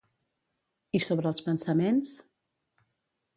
I sobre els pensaments?